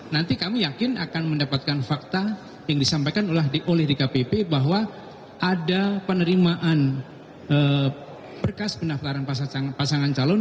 nanti kami yakin akan mendapatkan fakta yang disampaikan oleh dkpp bahwa ada penerimaan berkas benah pelanggaran pasangan calon